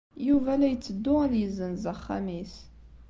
Yuba la itteddu ad yessenz axxam-is.